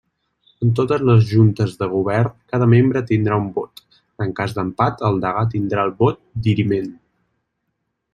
En totes les Juntes de Govern cada membre tindrà un vot, en cas d'empat el degà tindrà el vot diriment.